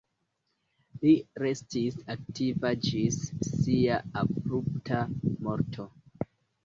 Li restis aktiva ĝis sia abrupta morto.